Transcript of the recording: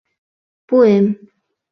Пуэм!..